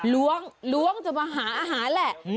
ล้วงจะมาหาอาหารแหละ